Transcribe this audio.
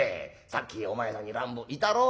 さっきお前さんに乱暴いたろ？